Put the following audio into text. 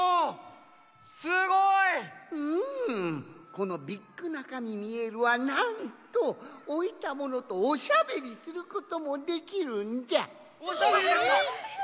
このビッグナカミミエルはなんとおいたものとおしゃべりすることもできるんじゃ。え！？